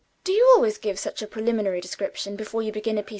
Do you always give such a preliminary description before you begin a piece with a pupil?